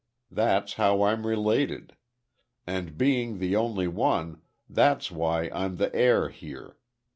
That's how I'm related. And being the only one, that's why I'm the heir here.